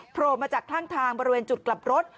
โผล่มาจากข้างทางบริเวณจุดกลับรถ